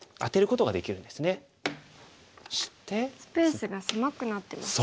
スペースが狭くなってますね。